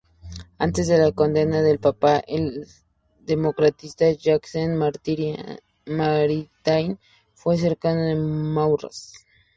Antes de la condena del Papa, el democristiano Jacques Maritain fue cercano de Maurras.